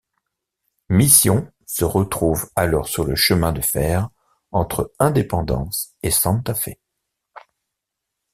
Mission se retrouve alors sur le chemin de fer entre Independence et Santa Fe.